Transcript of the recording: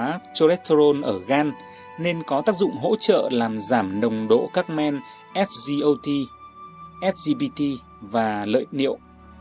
cà có tác nhân kích thích chuyển hóa cholesterol ở gan nên có tác dụng hỗ trợ làm giảm nồng độ các men szot szpt và lợi niệu